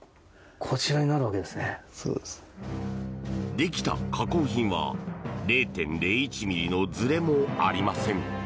できた加工品は０．０１ｍｍのずれもありません。